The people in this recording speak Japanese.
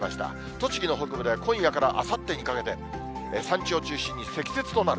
栃木の北部では、今夜からあさってにかけて、山地を中心に、積雪となる。